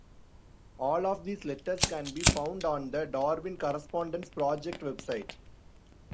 All of these letters can be found on the Darwin Correspondence Project website.